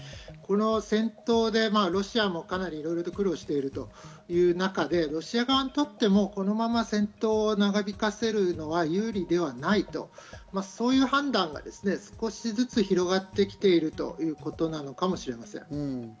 この背景、今一つわからないところは多いのですが、一つ言えるかもしれないのはこの戦闘でロシアもかなり、いろいろ苦労しているという中でロシア側にとってもこのまま戦闘を長引かせるのは有利ではないとそういう判断が少しずつ広がってきているということなのかもしれません。